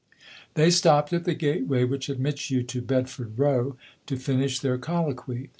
They stopped at the gateway which admits you to Bedford Row to finish their colloquy.